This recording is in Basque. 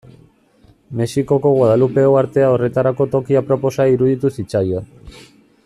Mexikoko Guadalupe uhartea horretarako toki aproposa iruditu zitzaion.